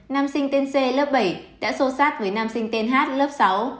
nam sinh tên c lớp bảy đã xô sát với nam sinh tên hát lớp sáu